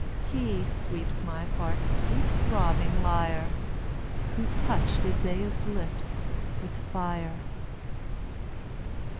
He sweeps my heart's deep throbbing lyre, Who touched Isaiah's lips with fire."